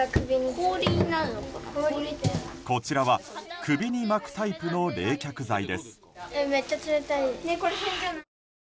こちらは首に巻くタイプの冷却剤です。